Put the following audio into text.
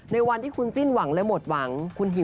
ในวันที่คุณสิ้นหวังและหมดหวังคุณฮิม